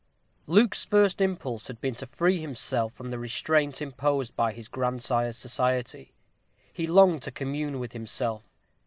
_ Luke's first impulse had been to free himself from the restraint imposed by his grandsire's society. He longed to commune with himself.